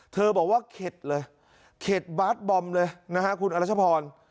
บอกว่าเข็ดเลยเข็ดบาร์ดบอมเลยนะฮะคุณอรัชพร